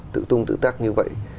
tự tung tự tác như vậy